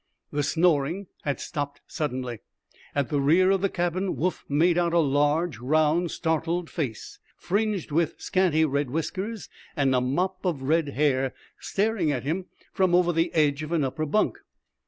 The snoring had stopped suddenly. At the rear of the cabin Woof made out a large, round, startled face, fringed with scanty red whiskers and a mop of red hair, staring at him from over the edge of an upper bunk.